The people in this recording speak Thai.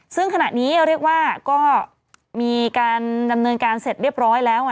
ซึ่งขณะนี้เรียกว่าก็มีการดำเนินการเสร็จเรียบร้อยแล้ว